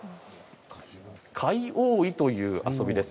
貝覆いという遊びです。